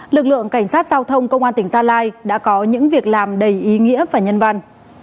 lực lượng cảnh sát giao thông công an tỉnh gia lai đã có những việc làm đầy ý nghĩa và nhân văn